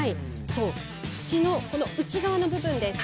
そう、縁の内側の部分です。